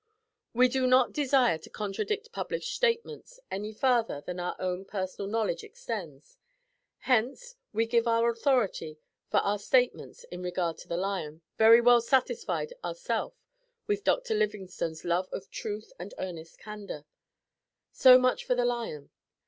We do not desire to contradict published statements any farther than our own personal knowledge extends; hence, we give our authority for our statements in regard to the lion, very well satisfied ourself with Dr. Livingstone's love of truth and earnest candor. So much for the lion.